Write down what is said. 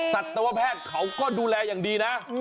สัตวแพทย์เขาก็ดูแลอย่างดีนะ